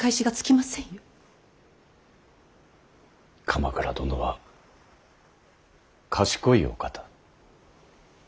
鎌倉殿は賢いお方。